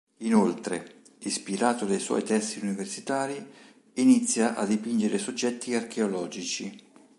Inoltre, ispirato dai suoi testi universitari, inizia a dipingere soggetti archeologici.